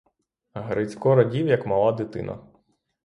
Грицько радів, як мала дитина.